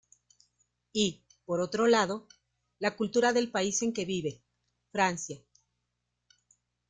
Y, por otro lado, la cultura del país en que vive, Francia.